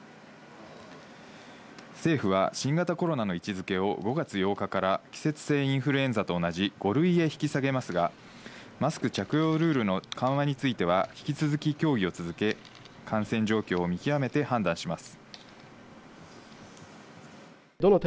政府は新型コロナの位置付けを５月８日から季節性インフルエンザと同じ５類へ引き下げますが、マスク着用ルールの緩和については引き続き協議を続け、感染状況を見極めて判断します。